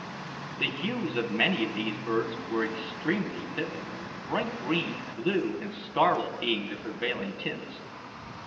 The hues of many of these birds were extremely vivid bright green, blue, and scarlet being the prevailing tints.